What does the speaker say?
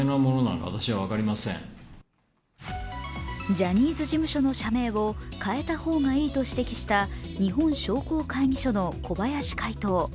ジャニーズ事務所の社名を変えた方がいいと指摘した日本商工会議所の小林会頭。